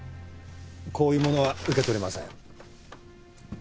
こういうものは受け取れません。